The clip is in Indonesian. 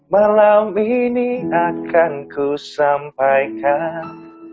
malam ini akan ku sampaikan